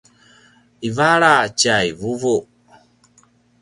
ivala tjai vuvu